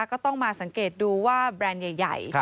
ก็ต้องมาสังเกตดูว่าแบรนด์ใหญ่